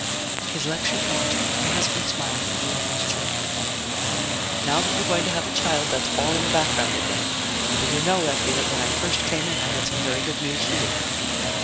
His lecture finished, her husband smiled and grew almost cheerful. "Now that you're going to have a child, that's all in the background again. Do you know, Effie, that when I first came in, I had some very good news for you?